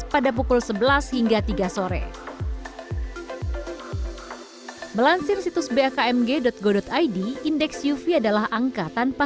pada pukul sebelas hingga tiga sore melansir situs bakmg go id indeks uv adalah angka tanpa